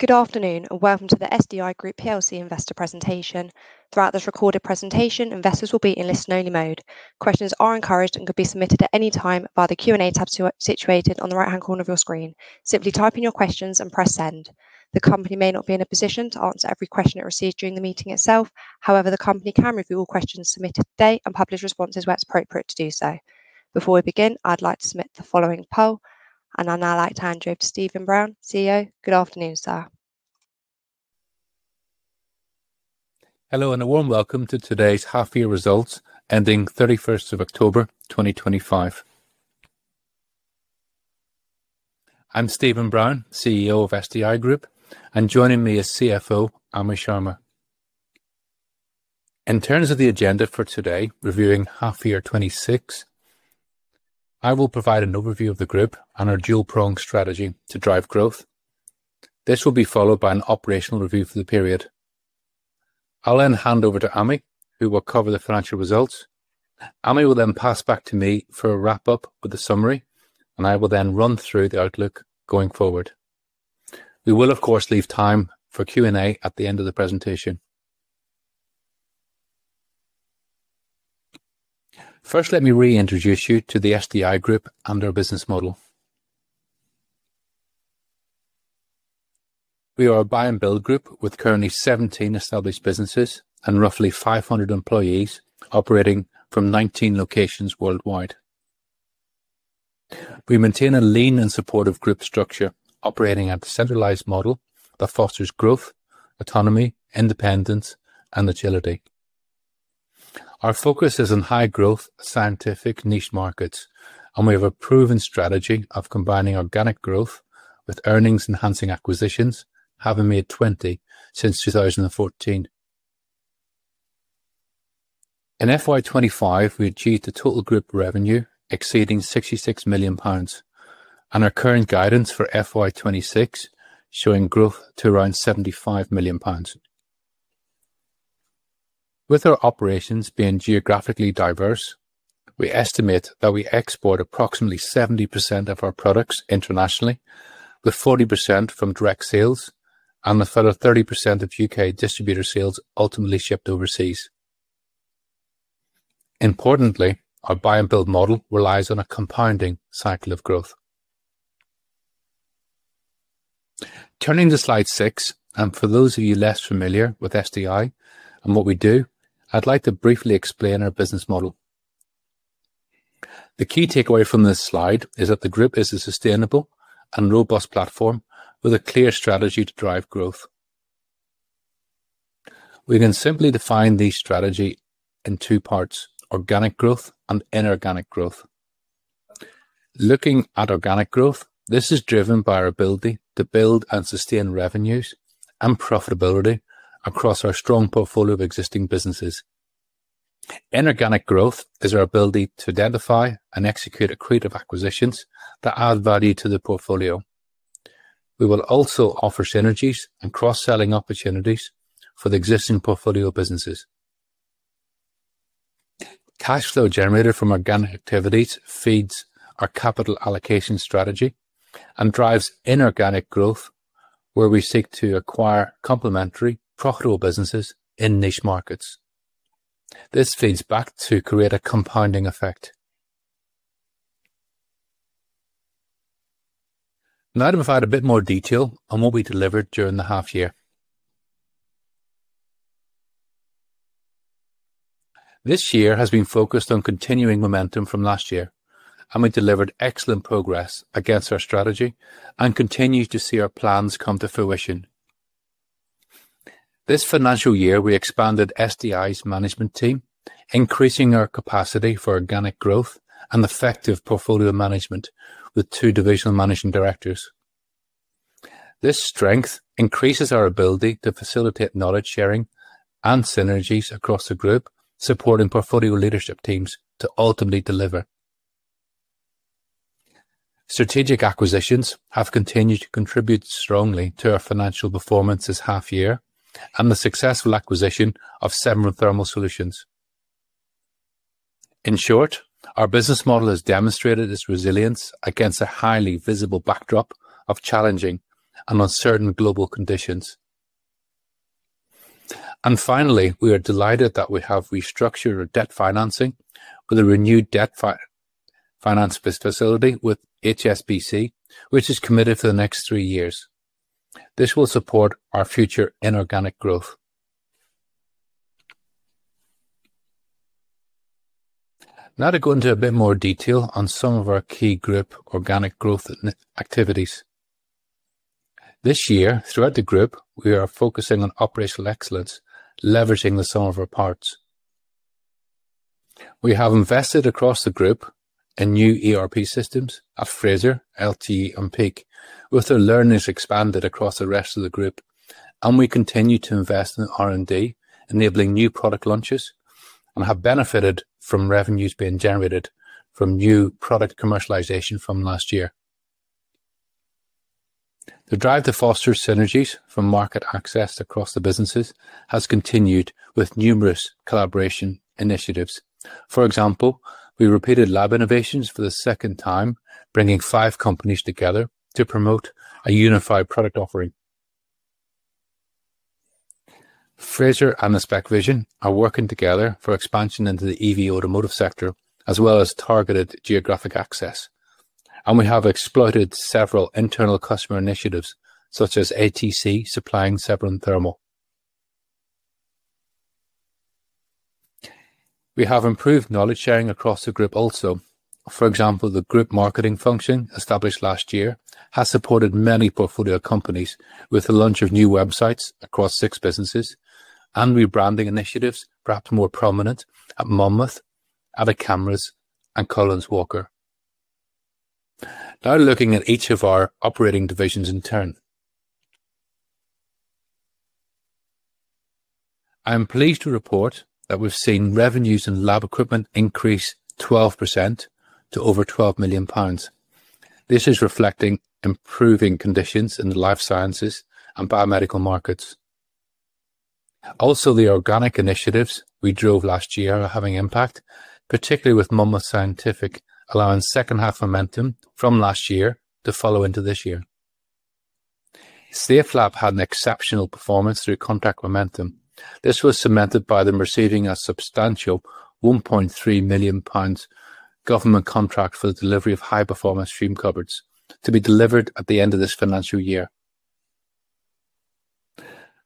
Good afternoon, and welcome to the SDI Group PLC Investor presentation. Throughout this recorded presentation, investors will be in listen-only mode. Questions are encouraged and could be submitted at any time via the Q&A tab situated on the right-hand corner of your screen. Simply type in your questions and press send. The company may not be in a position to answer every question it receives during the meeting itself; however, the company can review all questions submitted today and publish responses where it's appropriate to do so. Before we begin, I'd like to submit the following poll, and I'll now like to hand you over to Stephen Brown, CEO. Good afternoon, sir. Hello and a warm welcome to today's half-year results ending 31st of October 2025. I'm Stephen Brown, CEO of SDI Group, and joining me is CFO Ami Sharma. In terms of the agenda for today, reviewing half-year 26, I will provide an overview of the group and our dual-prong strategy to drive growth. This will be followed by an operational review for the period. I'll then hand over to Ami, who will cover the financial results. Ami will then pass back to me for a wrap-up with a summary, and I will then run through the outlook going forward. We will, of course, leave time for Q&A at the end of the presentation. First, let me reintroduce you to the SDI Group and our business model. We are a buy-and-build group with currently 17 established businesses and roughly 500 employees operating from 19 locations worldwide. We maintain a lean and supportive group structure, operating at a centralized model that fosters growth, autonomy, independence, and agility. Our focus is on high-growth, scientific, niche markets, and we have a proven strategy of combining organic growth with earnings-enhancing acquisitions, having made 20 since 2014. In FY25, we achieved a total group revenue exceeding 66 million pounds, and our current guidance for FY26 shows growth to around 75 million pounds. With our operations being geographically diverse, we estimate that we export approximately 70% of our products internationally, with 40% from direct sales, and a further 30% of U.K. distributor sales ultimately shipped overseas. Importantly, our buy-and-build model relies on a compounding cycle of growth. Turning to slide six, and for those of you less familiar with SDI and what we do, I'd like to briefly explain our business model. The key takeaway from this slide is that the group is a sustainable and robust platform with a clear strategy to drive growth. We can simply define the strategy in two parts: organic growth and inorganic growth. Looking at organic growth, this is driven by our ability to build and sustain revenues and profitability across our strong portfolio of existing businesses. Inorganic growth is our ability to identify and execute accretive acquisitions that add value to the portfolio. We will also offer synergies and cross-selling opportunities for the existing portfolio businesses. Cash flow generated from organic activities feeds our capital allocation strategy and drives inorganic growth, where we seek to acquire complementary, profitable businesses in niche markets. This feeds back to create a compounding effect. Now, to provide a bit more detail on what we delivered during the half-year. This year has been focused on continuing momentum from last year, and we delivered excellent progress against our strategy and continue to see our plans come to fruition. This financial year, we expanded SDI's management team, increasing our capacity for organic growth and effective portfolio management with two divisional managing directors. This strength increases our ability to facilitate knowledge sharing and synergies across the group, supporting portfolio leadership teams to ultimately deliver. Strategic acquisitions have continued to contribute strongly to our financial performance this half-year and the successful acquisition of Severn Thermal Solutions. In short, our business model has demonstrated its resilience against a highly visible backdrop of challenging and uncertain global conditions. Finally, we are delighted that we have restructured our debt financing with a renewed debt finance facility with HSBC, which is committed for the next three years. This will support our future inorganic growth. Now, to go into a bit more detail on some of our key group organic growth activities. This year, throughout the group, we are focusing on operational excellence, leveraging the sum of our parts. We have invested across the group in new ERP systems at Fraser, LTE, and Peak, with our learnings expanded across the rest of the group, and we continue to invest in R&D, enabling new product launches, and have benefited from revenues being generated from new product commercialization from last year. The drive to foster synergies from market access across the businesses has continued with numerous collaboration initiatives. For example, we repeated lab innovations for the second time, bringing five companies together to promote a unified product offering. Fraser and InspecVision are working together for expansion into the EV automotive sector, as well as targeted geographic access, and we have exploited several internal customer initiatives, such as ATC supplying Severn Thermal. We have improved knowledge sharing across the group also. For example, the group marketing function established last year has supported many portfolio companies with the launch of new websites across six businesses and rebranding initiatives, perhaps more prominent at Monmouth, Atik Cameras, and Collins Walker. Now, looking at each of our operating divisions in turn. I am pleased to report that we've seen revenues in lab equipment increase 12% to over 12 million pounds. This is reflecting improving conditions in the life sciences and biomedical markets. Also, the organic initiatives we drove last year are having impact, particularly with Monmouth Scientific allowing second-half momentum from last year to follow into this year. SafeLab had an exceptional performance through contract momentum. This was cemented by them receiving a substantial 1.3 million pounds government contract for the delivery of high-performance stream cupboards to be delivered at the end of this financial year.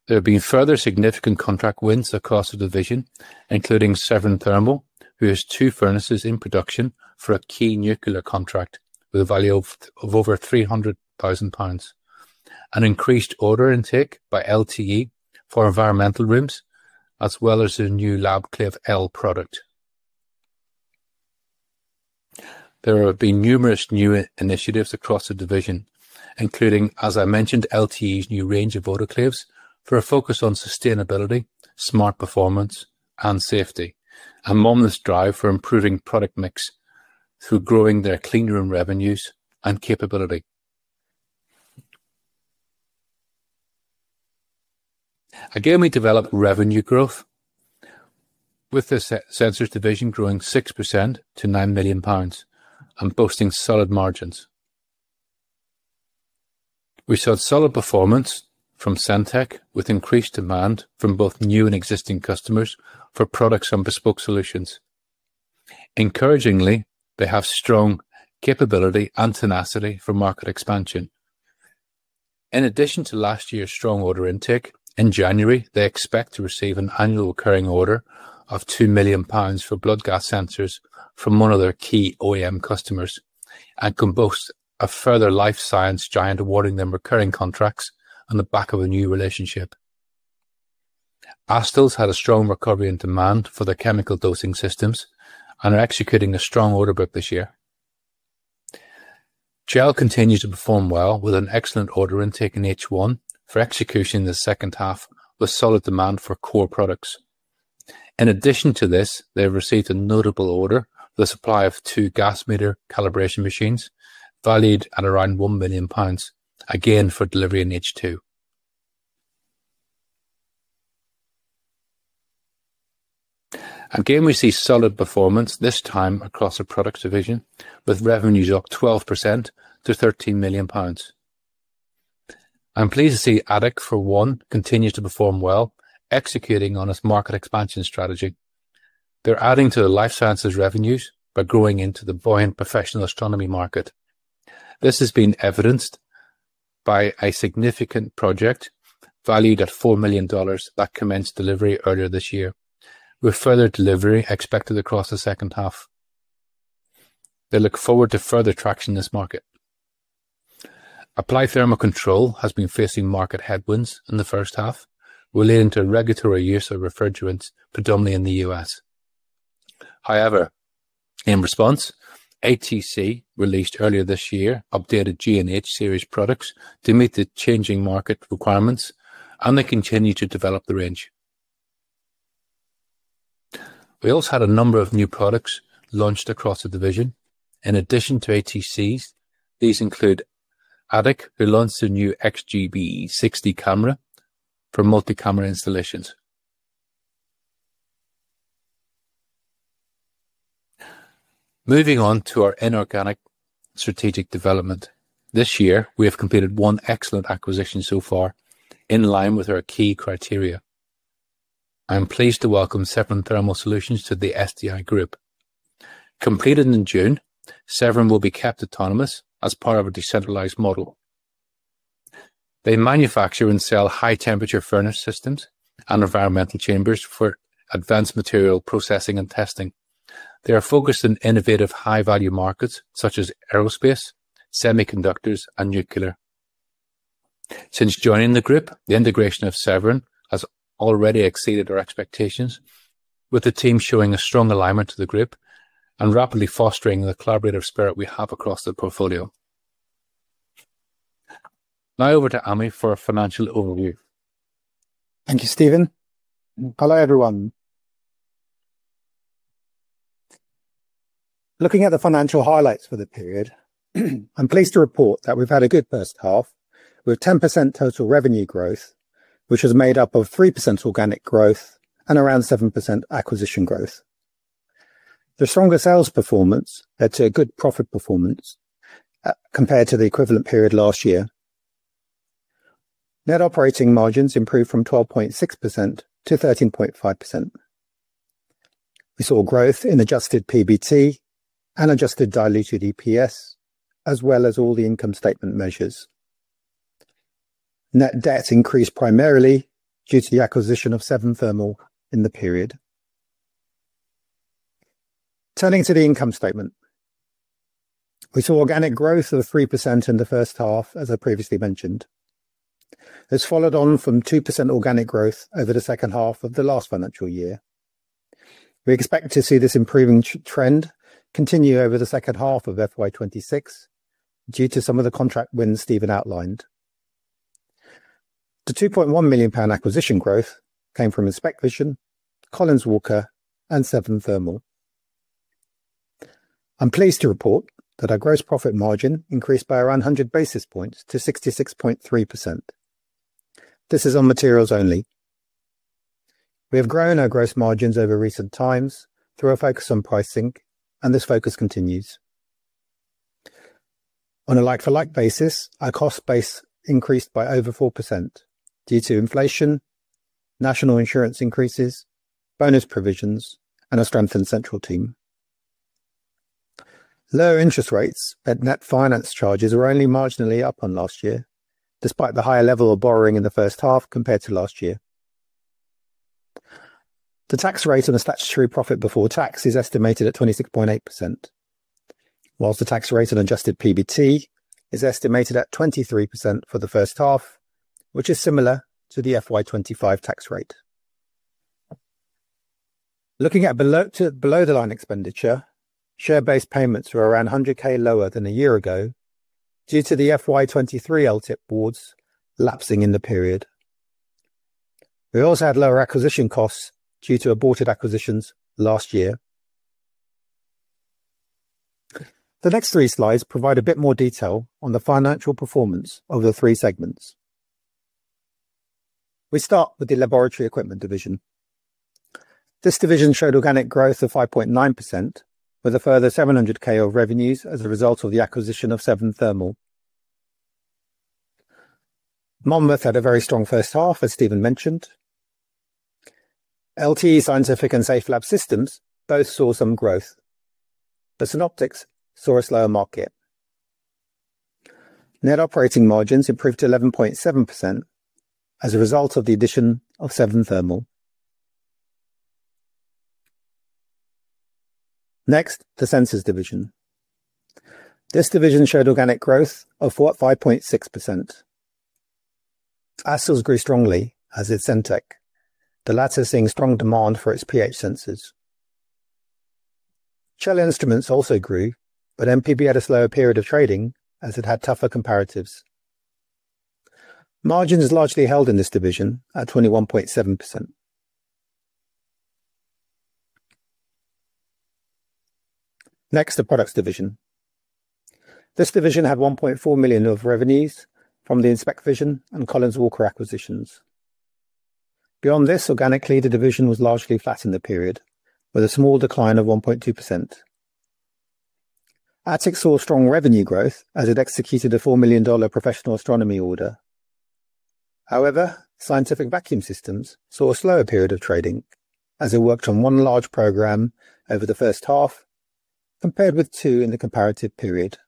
There have been further significant contract wins across the division, including Severn Thermal, who has two furnaces in production for a key nuclear contract with a value of over 300,000 pounds, an increased order intake by LTE for environmental rooms, as well as a new Labclave product. There have been numerous new initiatives across the division, including, as I mentioned, LTE's new range of autoclaves for a focus on sustainability, smart performance, and safety, and Monmouth's drive for improving product mix through growing their clean room revenues and capability. Again, we developed revenue growth with the sensors division growing 6% to 9 million pounds and boasting solid margins. We saw solid performance from Sentek, with increased demand from both new and existing customers for products and bespoke solutions. Encouragingly, they have strong capability and tenacity for market expansion. In addition to last year's strong order intake, in January, they expect to receive an annual recurring order of 2 million pounds for blood gas sensors from one of their key OEM customers and can boast a further life science giant awarding them recurring contracts on the back of a new relationship. Astell's had a strong recovery in demand for their chemical dosing systems and are executing a strong order book this year. Gel continues to perform well with an excellent order intake in H1 for execution in the second half, with solid demand for core products. In addition to this, they have received a notable order for the supply of two gas meter calibration machines valued at around 1 million pounds, again for delivery in H2. Again, we see solid performance this time across the products division, with revenues up 12% to 13 million pounds. I'm pleased to see Atik for one continues to perform well, executing on its market expansion strategy. They're adding to the life sciences revenues by growing into the buoyant professional astronomy market. This has been evidenced by a significant project valued at $4 million that commenced delivery earlier this year, with further delivery expected across the second half. They look forward to further traction in this market. Applied Thermal Control has been facing market headwinds in the first half, relating to regulatory use of refrigerants, predominantly in the U.S. However, in response, ATC released earlier this year updated G&H series products to meet the changing market requirements, and they continue to develop the range. We also had a number of new products launched across the division. In addition to ATCs, these include Atik, who launched a new XGbE-60 camera for multi-camera installations. Moving on to our inorganic strategic development, this year, we have completed one excellent acquisition so far in line with our key criteria. I'm pleased to welcome Severn Thermal Solutions to the SDI Group. Completed in June, Severn will be kept autonomous as part of a decentralized model. They manufacture and sell high-temperature furnace systems and environmental chambers for advanced material processing and testing. They are focused on innovative high-value markets such as aerospace, semiconductors, and nuclear. Since joining the group, the integration of Severn has already exceeded our expectations, with the team showing a strong alignment to the group and rapidly fostering the collaborative spirit we have across the portfolio. Now, over to Ami for a financial overview. Thank you, Stephen. Hello, everyone. Looking at the financial highlights for the period, I'm pleased to report that we've had a good first half with 10% total revenue growth, which is made up of 3% organic growth and around 7% acquisition growth. The stronger sales performance led to a good profit performance compared to the equivalent period last year. Net operating margins improved from 12.6%-13.5%. We saw growth in adjusted PBT and adjusted diluted EPS, as well as all the income statement measures. Net debt increased primarily due to the acquisition of Severn Thermal in the period. Turning to the income statement, we saw organic growth of 3% in the first half, as I previously mentioned. It's followed on from 2% organic growth over the second half of the last financial year. We expect to see this improving trend continue over the second half of FY26 due to some of the contract wins Stephen outlined. The 2.1 million pound acquisition growth came from InspecVision, Collins Walker, and Severn Thermal Solutions. I'm pleased to report that our gross profit margin increased by around 100 basis points to 66.3%. This is on materials only. We have grown our gross margins over recent times through a focus on pricing, and this focus continues. On a like-for-like basis, our cost base increased by over 4% due to inflation, national insurance increases, bonus provisions, and a strengthened central team. Lower interest rates and net finance charges were only marginally up on last year, despite the higher level of borrowing in the first half compared to last year. The tax rate on the statutory profit before tax is estimated at 26.8%, while the tax rate on adjusted PBT is estimated at 23% for the first half, which is similar to the FY25 tax rate. Looking at below-the-line expenditure, share-based payments were around 100k lower than a year ago due to the FY23 LTIP awards lapsing in the period. We also had lower acquisition costs due to aborted acquisitions last year. The next three slides provide a bit more detail on the financial performance of the three segments. We start with the laboratory equipment division. This division showed organic growth of 5.9%, with a further 700k of revenues as a result of the acquisition of Severn Thermal. Monmouth had a very strong first half, as Stephen mentioned. LTE Scientific and SafeLab Systems both saw some growth, but Synoptics saw a slower market. Net operating margins improved to 11.7% as a result of the addition of Severn Thermal. Next, the sensors division. This division showed organic growth of 5.6%. Astell's grew strongly as did Sentek, the latter seeing strong demand for its pH sensors. Chell Instruments also grew, but MPB had a slower period of trading as it had tougher comparatives. Margins largely held in this division at 21.7%. Next, the products division. This division had 1.4 million of revenues from the InspecVision and Collins Walker acquisitions. Beyond this, organically, the division was largely flat in the period, with a small decline of 1.2%. Atik saw strong revenue growth as it executed a $4 million professional astronomy order. However, Scientific Vacuum Systems saw a slower period of trading as it worked on one large program over the first half compared with two in the comparative period.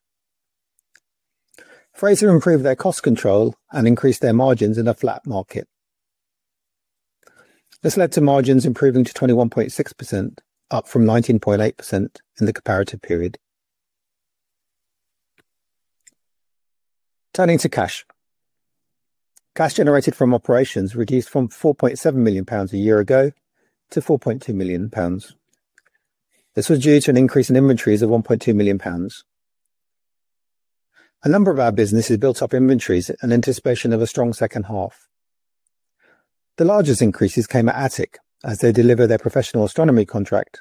Fraser improved their cost control and increased their margins in a flat market. This led to margins improving to 21.6%, up from 19.8% in the comparative period. Turning to cash. Cash generated from operations reduced from 4.7 million pounds a year ago to 4.2 million pounds. This was due to an increase in inventories of 1.2 million pounds. A number of our businesses built up inventories in anticipation of a strong second half. The largest increases came at Attic as they deliver their professional astronomy contract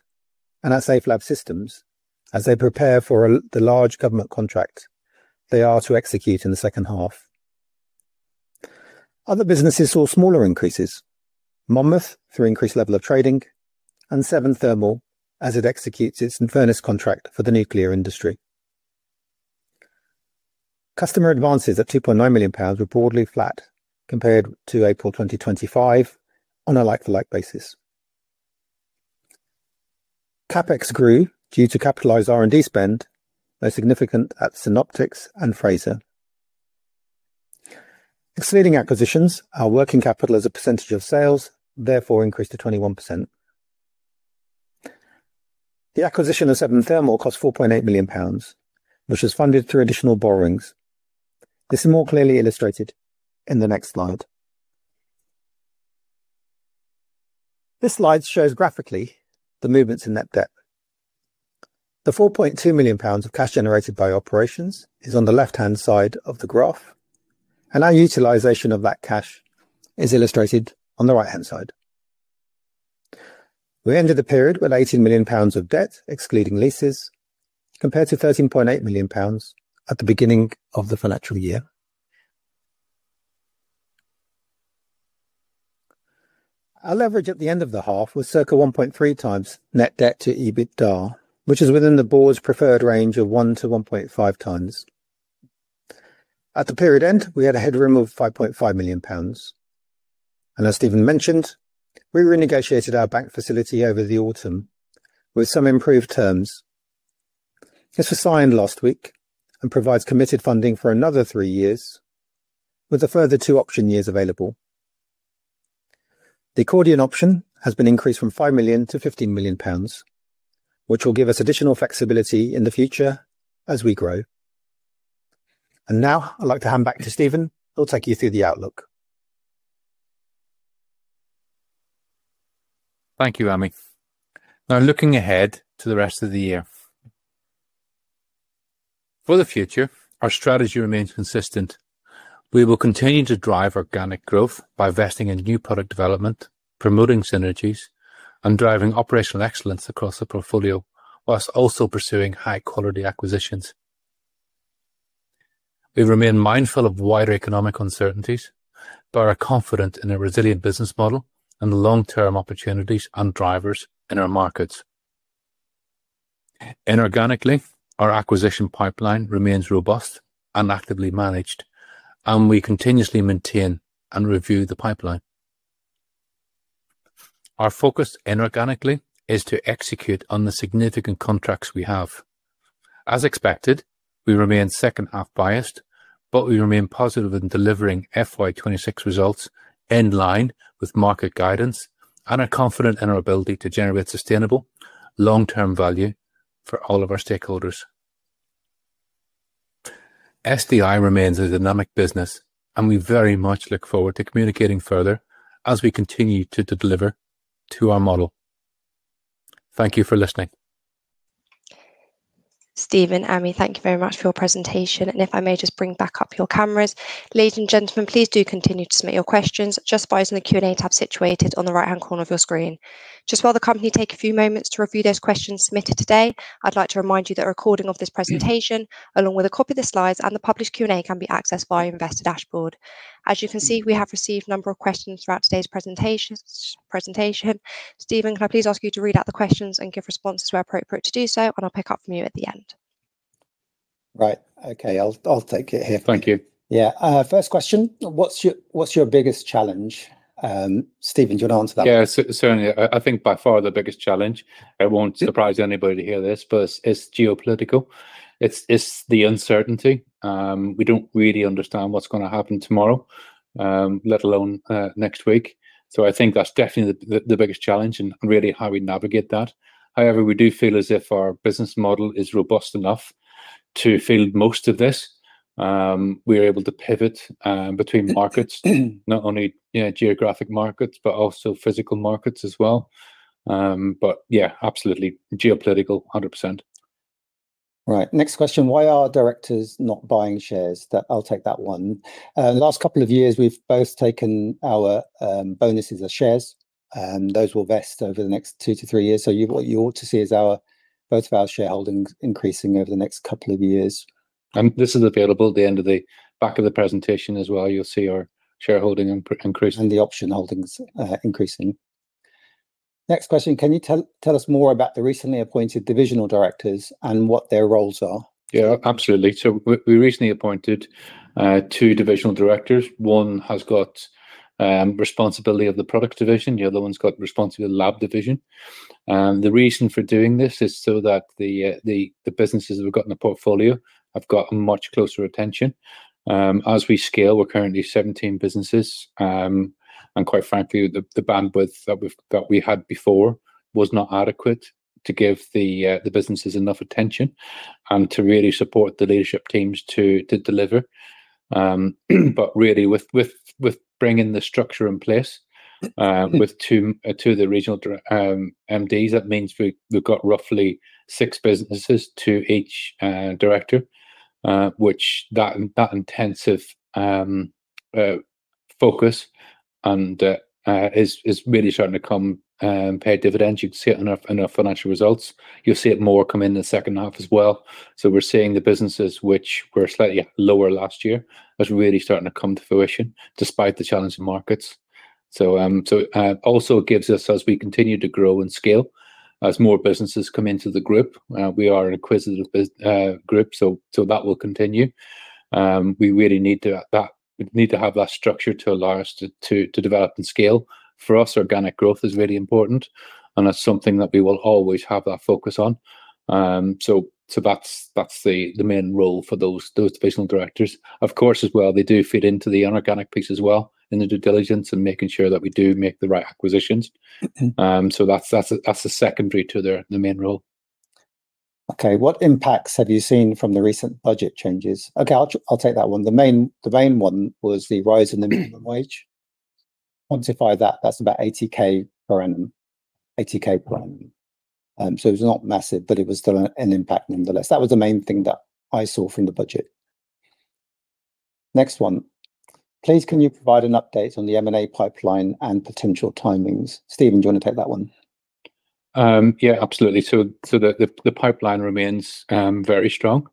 and at Safelab Systems as they prepare for the large government contract they are to execute in the second half. Other businesses saw smaller increases: Monmouth through increased level of trading and Severn Thermal as it executes its furnace contract for the nuclear industry. Customer advances at 2.9 million pounds were broadly flat compared to April 2025 on a like-for-like basis. CapEx grew due to capitalized R&D spend, most significant at Synoptics and Fraser. Exceeding acquisitions, our working capital as a percentage of sales therefore increased to 21%. The acquisition of Severn Thermal cost 4.8 million pounds, which was funded through additional borrowings. This is more clearly illustrated in the next slide. This slide shows graphically the movements in net debt. The 4.2 million pounds of cash generated by operations is on the left-hand side of the graph, and our utilization of that cash is illustrated on the right-hand side. We ended the period with 18 million pounds of debt, excluding leases, compared to 13.8 million pounds at the beginning of the financial year. Our leverage at the end of the half was circa 1.3 times net debt to EBITDA, which is within the board's preferred range of 1 -1.5 times. At the period end, we had a headroom of 5.5 million pounds. And as Stephen mentioned, we renegotiated our bank facility over the autumn with some improved terms. This was signed last week and provides committed funding for another three years, with a further two option years available. The accordion option has been increased from 5 million-15 million pounds, which will give us additional flexibility in the future as we grow. And now, I'd like to hand back to Stephen. He'll take you through the outlook. Thank you, Ami. Now, looking ahead to the rest of the year. For the future, our strategy remains consistent. We will continue to drive organic growth by investing in new product development, promoting synergies, and driving operational excellence across the portfolio, while also pursuing high-quality acquisitions. We remain mindful of wider economic uncertainties, but are confident in a resilient business model and the long-term opportunities and drivers in our markets. Inorganically, our acquisition pipeline remains robust and actively managed, and we continuously maintain and review the pipeline. Our focus inorganically is to execute on the significant contracts we have. As expected, we remain second-half biased, but we remain positive in delivering FY26 results in line with market guidance and are confident in our ability to generate sustainable, long-term value for all of our stakeholders. SDI remains a dynamic business, and we very much look forward to communicating further as we continue to deliver to our model. Thank you for listening. Stephen, Ami, thank you very much for your presentation. And if I may just bring back up your cameras. Ladies and gentlemen, please do continue to submit your questions. Just by using the Q&A tab situated on the right-hand corner of your screen. Just while the company takes a few moments to review those questions submitted today, I'd like to remind you that a recording of this presentation, along with a copy of the slides and the published Q&A, can be accessed via Investor Dashboard. As you can see, we have received a number of questions throughout today's presentation. Stephen, can I please ask you to read out the questions and give responses where appropriate to do so, and I'll pick up from you at the end? Right. Okay. I'll take it here. Thank you. Yeah. First question. What's your biggest challenge? Stephen, do you want to answer that? Yeah, certainly. I think by far the biggest challenge. It won't surprise anybody to hear this, but it's geopolitical. It's the uncertainty. We don't really understand what's going to happen tomorrow, let alone next week. So I think that's definitely the biggest challenge and really how we navigate that. However, we do feel as if our business model is robust enough to feel most of this. We are able to pivot between markets, not only geographic markets, but also physical markets as well. But yeah, absolutely geopolitical, 100%. Right. Next question. Why are directors not buying shares? I'll take that one. Last couple of years, we've both taken our bonuses as shares. Those will vest over the next two to three years. So what you ought to see is both of our shareholdings increasing over the next couple of years. And this is available at the end of the back of the presentation as well. You'll see our shareholding increase and the option holdings increasing. Next question. Can you tell us more about the recently appointed divisional directors and what their roles are? Yeah, absolutely. So we recently appointed two divisional directors. One has got responsibility of the product division. The other one's got responsibility of the lab division. The reason for doing this is so that the businesses that we've got in the portfolio have got much closer attention. As we scale, we're currently 17 businesses, and quite frankly, the bandwidth that we had before was not adequate to give the businesses enough attention and to really support the leadership teams to deliver. But really, with bringing the structure in place with two of the regional MDs, that means we've got roughly six businesses to each director, which that intensive focus is really starting to pay dividends. You can see it in our financial results. You'll see it more come in the second half as well. So we're seeing the businesses which were slightly lower last year as really starting to come to fruition despite the challenging markets. So also it gives us, as we continue to grow and scale, as more businesses come into the group, we are an acquisitive group, so that will continue. We really need to have that structure to allow us to develop and scale. For us, organic growth is really important, and that's something that we will always have that focus on. So that's the main role for those divisional directors. Of course, as well, they do fit into the inorganic piece as well in the due diligence and making sure that we do make the right acquisitions. So that's secondary to the main role. Okay. What impacts have you seen from the recent budget changes? Okay, I'll take that one. The main one was the rise in the minimum wage. Quantify that. That's about 80,000 per annum. 80,000 per annum. So it was not massive, but it was still an impact nonetheless. That was the main thing that I saw from the budget. Next one. Please, can you provide an update on the M&A pipeline and potential timings? Stephen, do you want to take that one? Yeah, absolutely. So the pipeline remains very strong.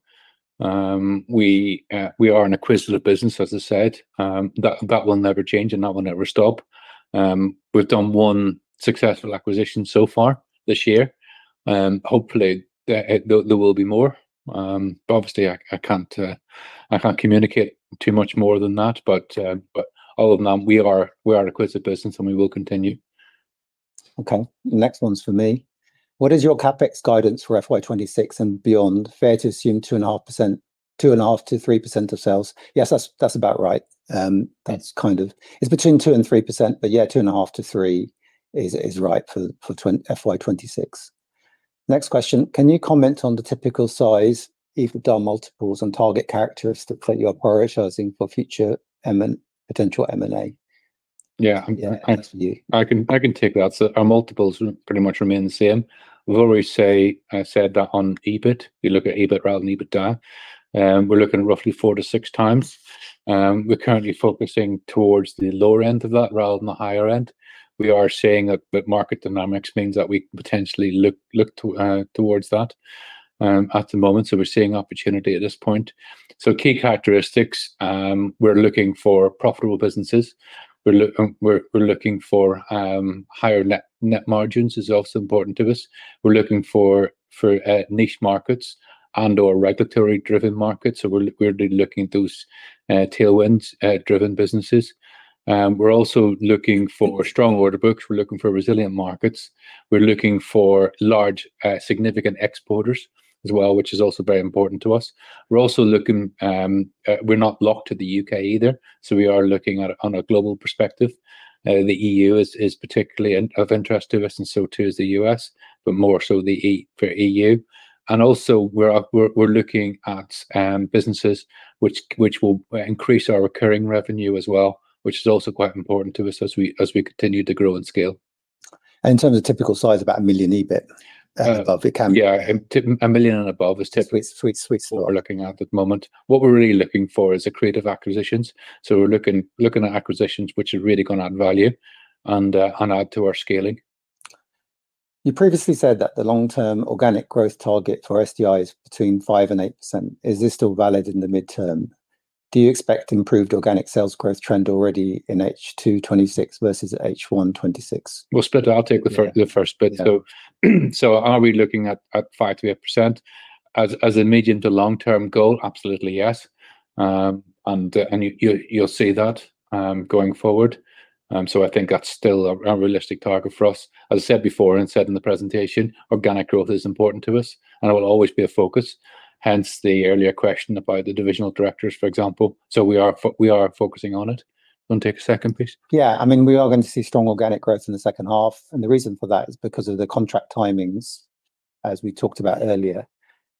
We are an acquisitive business, as I said. That will never change, and that will never stop. We've done one successful acquisition so far this year. Hopefully, there will be more. Obviously, I can't communicate too much more than that, but other than that, we are an acquisitive business, and we will continue. Okay. Next one's for me. What is your CapEx guidance for FY26 and beyond? Fair to assume 2.5%, 2.5-3% of sales. Yes, that's about right. That's kind of, it's between 2-3%, but yeah, 2.5-3% is right for FY26. Next question. Can you comment on the typical size, EV multiples, and target characteristics that you are prioritizing for future potential M&A? Yeah, I can take that. So our multiples pretty much remain the same. We've always said that on EBIT, you look at EBIT rather than EBITDA. We're looking at roughly four to six times. We're currently focusing towards the lower end of that rather than the higher end. We are seeing that market dynamics means that we potentially look towards that at the moment, so we're seeing opportunity at this point, so key characteristics, we're looking for profitable businesses. We're looking for higher net margins is also important to us. We're looking for niche markets and/or regulatory-driven markets, so we're really looking at those tailwind-driven businesses. We're also looking for strong order books. We're looking for resilient markets. We're looking for large, significant exporters as well, which is also very important to us. We're also looking, we're not locked to the U.K. either, so we are looking at a global perspective. The E.U. is particularly of interest to us, and so too is the U.S., but more so for E.U., and also, we're looking at businesses which will increase our recurring revenue as well, which is also quite important to us as we continue to grow and scale. In terms of typical size, about 1 million EBIT above it can be. Yeah, 1 million and above is typically what we're looking at at the moment. What we're really looking for is accretive acquisitions. So we're looking at acquisitions which are really going to add value and add to our scaling. You previously said that the long-term organic growth target for SDI is between 5% and 8%. Is this still valid in the midterm? Do you expect improved organic sales growth trend already in H226 versus H126? I'll take the first bit. Are we looking at 5%-8% as a medium to long-term goal? Absolutely, yes. You'll see that going forward. I think that's still a realistic target for us. As I said before and said in the presentation, organic growth is important to us, and it will always be a focus. Hence the earlier question about the divisional directors, for example, so we are focusing on it. Do you want to take a second, please? Yeah. I mean, we are going to see strong organic growth in the second half, and the reason for that is because of the contract timings, as we talked about earlier.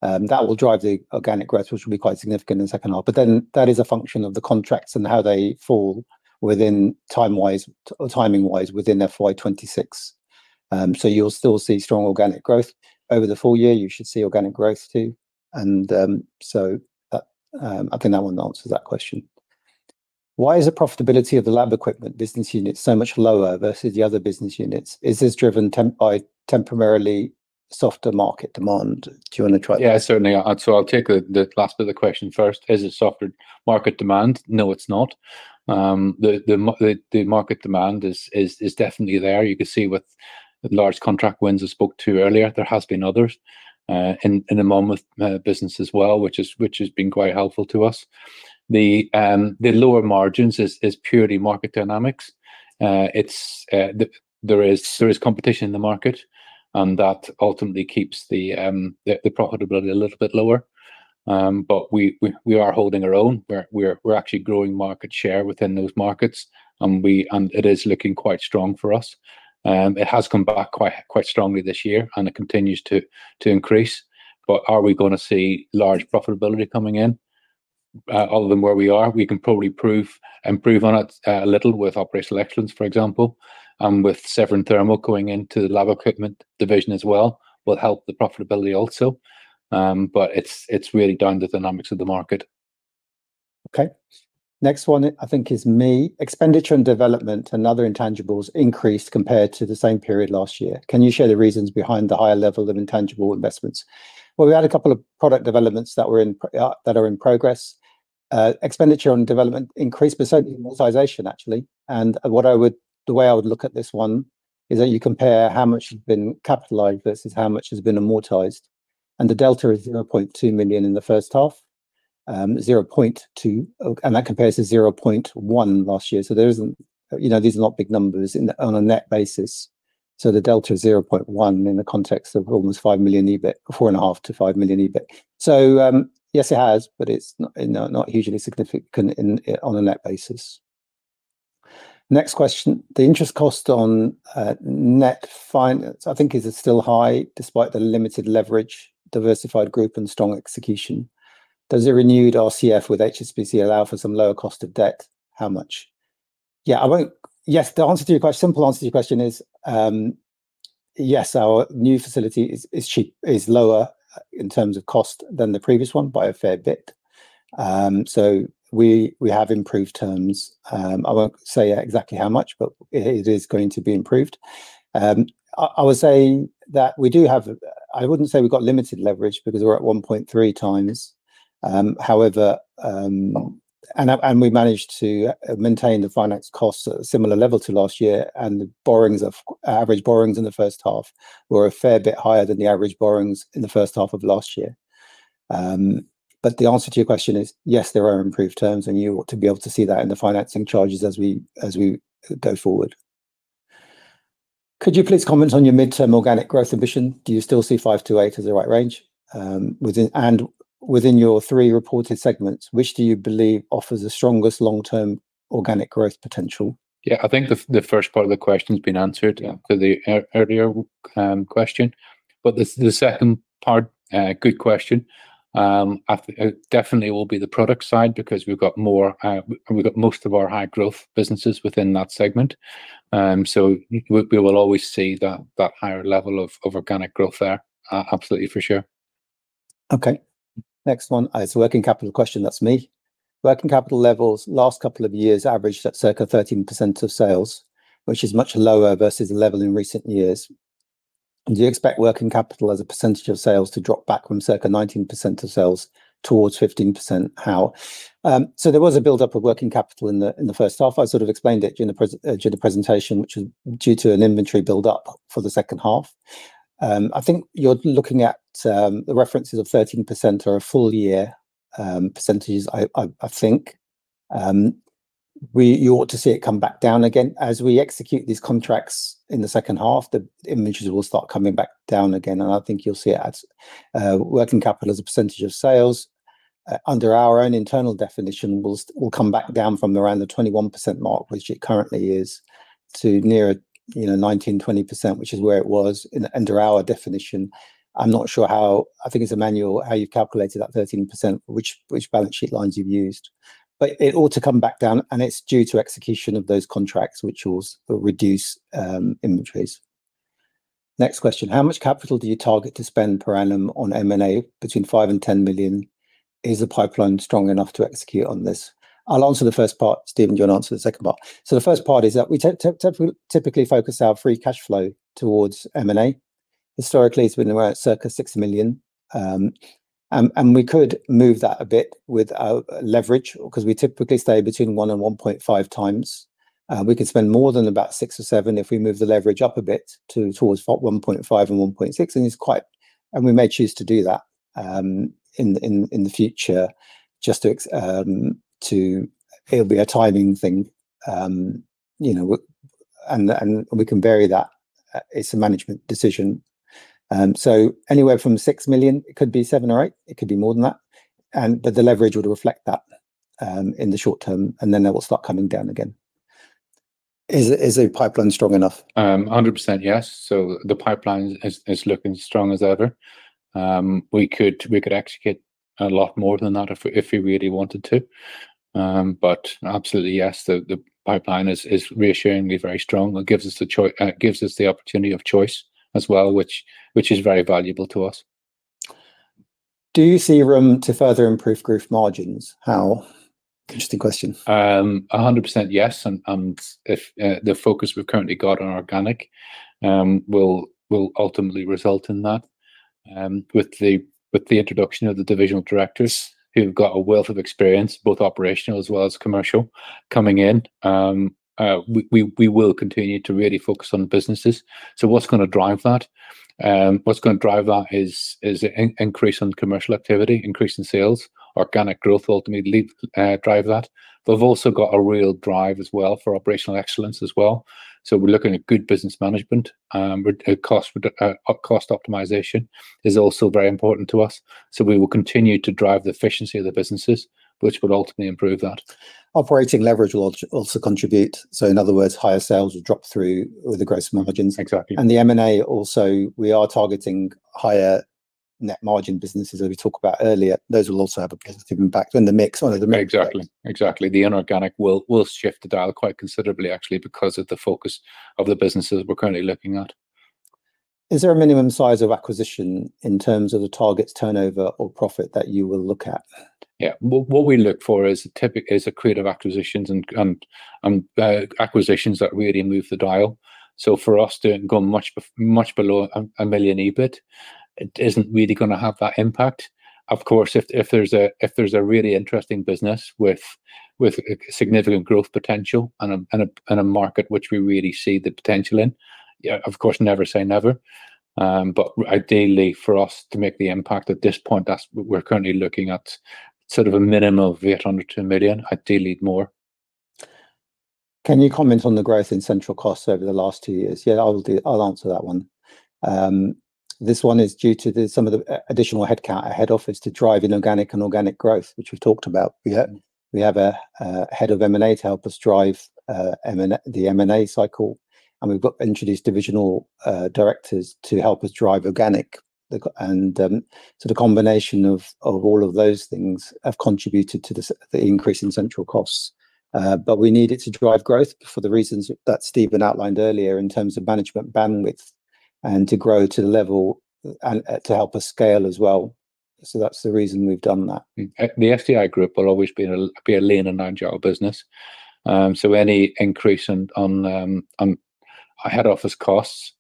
That will drive the organic growth, which will be quite significant in the second half, but then that is a function of the contracts and how they fall within timing-wise within FY26, so you'll still see strong organic growth over the full year. You should see organic growth too, and so I think that one answers that question. Why is the profitability of the lab equipment business unit so much lower versus the other business units? Is this driven by temporarily softer market demand? Do you want to try that? Yeah, certainly. So I'll take the last bit of the question first. Is it softer market demand? No, it's not. The market demand is definitely there. You can see with large contract wins I spoke to earlier, there has been others in the Monmouth business as well, which has been quite helpful to us. The lower margins is purely market dynamics. There is competition in the market, and that ultimately keeps the profitability a little bit lower. But we are holding our own. We're actually growing market share within those markets, and it is looking quite strong for us. It has come back quite strongly this year, and it continues to increase. But are we going to see large profitability coming in? Other than where we are, we can probably improve on it a little with operational excellence, for example, and with Severn Thermal going into the lab equipment division as well will help the profitability also. But it's really down to the dynamics of the market. Okay. Next one, I think, is me. R&D expenditure and other intangibles increased compared to the same period last year. Can you share the reasons behind the higher level of intangible investments? Well, we had a couple of product developments that are in progress. R&D expenditure increased, but certainly amortization, actually. And the way I would look at this one is that you compare how much has been capitalized versus how much has been amortized. And the delta is 0.2 million in the first half. And that compares to 0.1 million last year. So these are not big numbers on a net basis. The delta is 0.1 in the context of almost 5 million EBIT, 4.5-5 million EBIT. Yes, it has, but it's not hugely significant on a net basis. Next question. The interest cost on net finance, I think, is still high despite the limited leverage, diversified group, and strong execution. Does a renewed RCF with HSBC allow for some lower cost of debt? How much? Yeah. Yes, the answer to your question, simple answer to your question is yes, our new facility is lower in terms of cost than the previous one by a fair bit. We have improved terms. I won't say exactly how much, but it is going to be improved. I would say that we do have, I wouldn't say we've got limited leverage because we're at 1.3 times. However, we managed to maintain the finance costs at a similar level to last year, and the average borrowings in the first half were a fair bit higher than the average borrowings in the first half of last year. But the answer to your question is yes, there are improved terms, and you ought to be able to see that in the financing charges as we go forward. Could you please comment on your mid-term organic growth ambition? Do you still see 5%-8% as the right range? And within your three reported segments, which do you believe offers the strongest long-term organic growth potential? Yeah, I think the first part of the question has been answered to the earlier question. But the second part, good question. Definitely will be the product side because we've got most of our high growth businesses within that segment. So we will always see that higher level of organic growth there, absolutely for sure. Okay. Next one. It's a working capital question. That's me. Working capital levels last couple of years averaged at circa 13% of sales, which is much lower versus the level in recent years. Do you expect working capital as a percentage of sales to drop back from circa 19% of sales towards 15%? How? So there was a build-up of working capital in the first half. I sort of explained it during the presentation, which was due to an inventory build-up for the second half. I think you're looking at the references of 13% or a full-year percentage, I think. You ought to see it come back down again. As we execute these contracts in the second half, the inventories will start coming back down again. I think you'll see it as working capital as a percentage of sales. Under our own internal definition, we'll come back down from around the 21% mark, which it currently is, to near 19%-20%, which is where it was under our definition. I'm not sure how, I think it's Emmanuel, how you've calculated that 13%, which balance sheet lines you've used. But it ought to come back down, and it's due to execution of those contracts, which will reduce inventories. Next question. How much capital do you target to spend per annum on M&A between five and 10 million? Is the pipeline strong enough to execute on this? I'll answer the first part. Stephen, you'll answer the second part. So the first part is that we typically focus our free cash flow towards M&A. Historically, it's been around circa six million. We could move that a bit with leverage because we typically stay between one and 1.5 times. We could spend more than about 6 million or 7 million if we move the leverage up a bit towards 1.5 and 1.6. We may choose to do that in the future just to, it'll be a timing thing. We can vary that. It's a management decision. So anywhere from 6 million, it could be 7 million or 8 million. It could be more than that. But the leverage would reflect that in the short term, and then it will start coming down again. Is the pipeline strong enough? 100% yes. So the pipeline is looking strong as ever. We could execute a lot more than that if we really wanted to. But absolutely, yes, the pipeline is reassuringly very strong. It gives us the opportunity of choice as well, which is very valuable to us. Do you see room to further improve growth margins? How? Interesting question. 100% yes, and the focus we've currently got on organic will ultimately result in that. With the introduction of the divisional directors, who've got a wealth of experience, both operational as well as commercial, coming in, we will continue to really focus on businesses, so what's going to drive that? What's going to drive that is an increase in commercial activity, increase in sales. Organic growth will ultimately drive that, but we've also got a real drive as well for operational excellence as well, so we're looking at good business management. Cost optimization is also very important to us, so we will continue to drive the efficiency of the businesses, which would ultimately improve that. Operating leverage will also contribute. So in other words, higher sales will drop through with the gross margins. Exactly. And the M&A also, we are targeting higher net margin businesses, as we talked about earlier. Those will also have a positive impact on the mix. Exactly. Exactly. The inorganic will shift the dial quite considerably, actually, because of the focus of the businesses we're currently looking at. Is there a minimum size of acquisition in terms of the targets, turnover, or profit that you will look at? Yeah. What we look for is accretive acquisitions and acquisitions that really move the dial. So for us to go much below a million EBIT, it isn't really going to have that impact. Of course, if there's a really interesting business with significant growth potential and a market which we really see the potential in, of course, never say never. But ideally, for us to make the impact at this point, we're currently looking at sort of a minimum of 800,000-1 million. Ideally, more. Can you comment on the growth in central costs over the last two years? Yeah, I'll answer that one. This one is due to some of the additional head office to drive inorganic and organic growth, which we've talked about. We have a head of M&A to help us drive the M&A cycle, and we've introduced divisional directors to help us drive organic, and so the combination of all of those things have contributed to the increase in central costs, but we need it to drive growth for the reasons that Stephen outlined earlier in terms of management bandwidth and to grow to the level and to help us scale as well, so that's the reason we've done that. The SDI Group will always be a lean and agile business. So any increase on head office costs.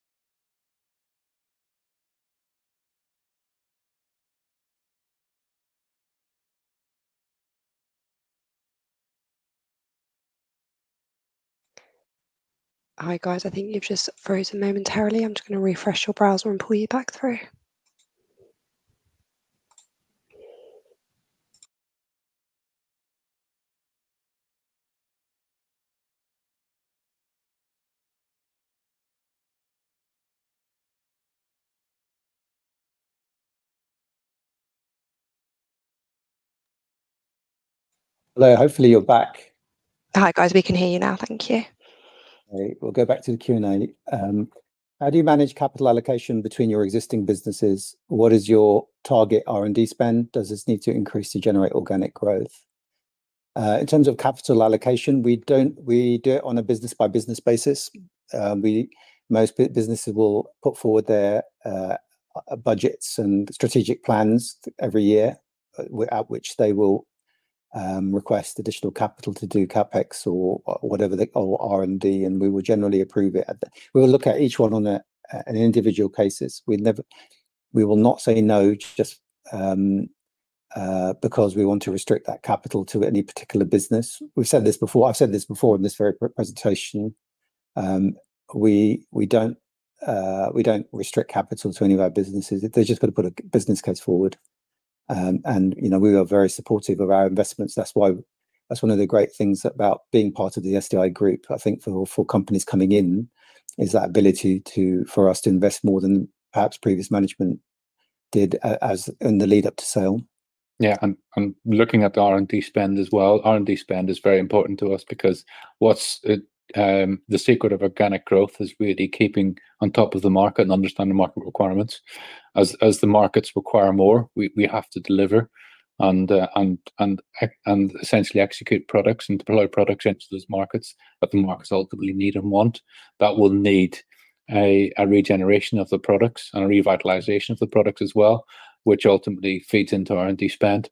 Hi, guys. I think you've just frozen momentarily. I'm just going to refresh your browser and pull you back through. Hello. Hopefully, you're back. Hi, guys. We can hear you now. Thank you. We'll go back to the Q&A. How do you manage capital allocation between your existing businesses? What is your target R&D spend? Does this need to increase to generate organic growth? In terms of capital allocation, we do it on a business-by-business basis. Most businesses will put forward their budgets and strategic plans every year, at which they will request additional capital to do CapEx or whatever R&D, and we will generally approve it. We will look at each one on an individual basis. We will not say no just because we want to restrict that capital to any particular business. We've said this before. I've said this before in this very presentation. We don't restrict capital to any of our businesses. They're just going to put a business case forward, and we are very supportive of our investments. That's one of the great things about being part of the SDI Group, I think, for companies coming in, is that ability for us to invest more than perhaps previous management did in the lead-up to sale. Yeah, and looking at the R&D spend as well, R&D spend is very important to us because the secret of organic growth is really keeping on top of the market and understanding market requirements. As the markets require more, we have to deliver and essentially execute products and deploy products into those markets that the markets ultimately need and want. That will need a regeneration of the products and a revitalization of the products as well, which ultimately feeds into R&D spend.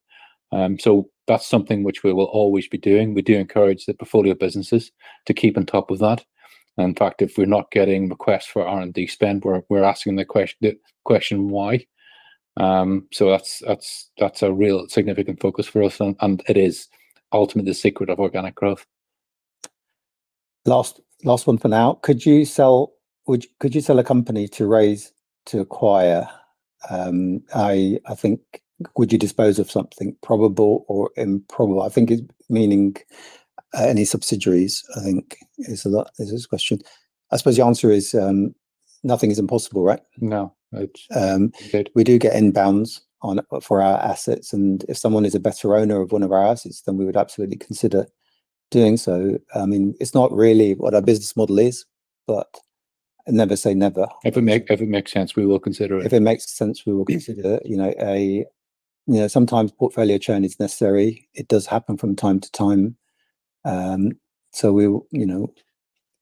So that's something which we will always be doing. We do encourage the portfolio businesses to keep on top of that. In fact, if we're not getting requests for R&D spend, we're asking the question, "Why?" So that's a real significant focus for us, and it is ultimately the secret of organic growth. Last one for now. Could you sell a company to raise to acquire? I think, would you dispose of something probable or improbable? I think it's meaning any subsidiaries, I think, is the question. I suppose the answer is nothing is impossible, right? No. We do get inbounds for our assets. And if someone is a better owner of one of our assets, then we would absolutely consider doing so. I mean, it's not really what our business model is, but never say never. If it makes sense, we will consider it. Sometimes portfolio churn is necessary. It does happen from time to time. So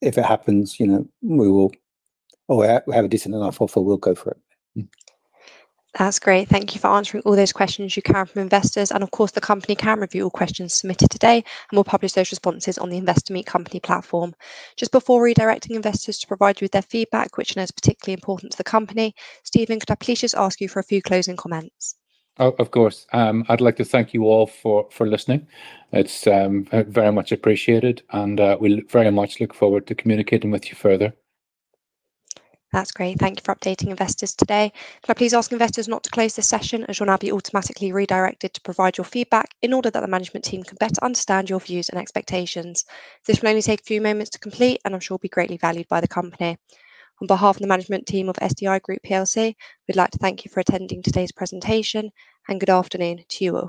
if it happens, we will, or we have a decent enough offer, we'll go for it. That's great. Thank you for answering all those questions you can from investors. And of course, the company can review all questions submitted today, and we'll publish those responses on the Investor Meet Company platform. Just before redirecting investors to provide you with their feedback, which is particularly important to the company, Stephen, could I please just ask you for a few closing comments? Of course. I'd like to thank you all for listening. It's very much appreciated, and we very much look forward to communicating with you further. That's great. Thank you for updating investors today. Could I please ask investors not to close the session, as you'll now be automatically redirected to provide your feedback in order that the management team can better understand your views and expectations? This will only take a few moments to complete, and I'm sure it will be greatly valued by the company. On behalf of the management team of SDI Group PLC, we'd like to thank you for attending today's presentation, and good afternoon to you all.